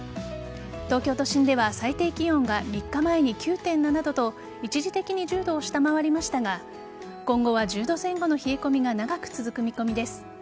東京都心では最低気温が３日前に９．７度と一時的に１０度を下回りましたが今後は１０度前後の冷え込みが長く続く見込みです。